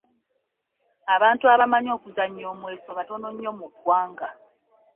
Abantu abamanyi okuzannya omweso batono nnyo mu ggwanga.